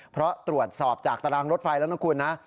เพราะตรวจสอบจากตารางรถไฟแล้วนะคุณนะ